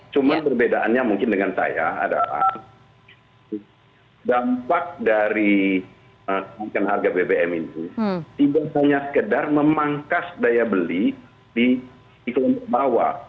cuma perbedaannya mungkin dengan saya adalah dampak dari kenaikan harga bbm ini tidak hanya sekedar memangkas daya beli di kelompok bawah